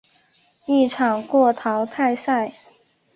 一场过淘汰赛。